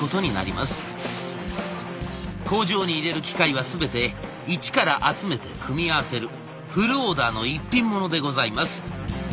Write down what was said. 工場に入れる機械は全て一から集めて組み合わせるフルオーダーの一品ものでございます。